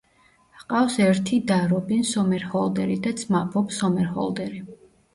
ჰყავს ერთი და რობინ სომერჰოლდერი და ძმა ბობ სომერჰოლდერი.